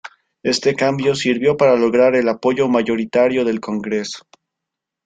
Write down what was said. Este cambio sirvió para lograr el apoyo mayoritario del Congreso.